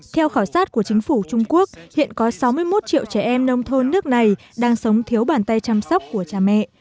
theo khảo sát của chính phủ trung quốc hiện có sáu mươi một triệu trẻ em nông thôn nước này đang sống thiếu bàn tay chăm sóc của cha mẹ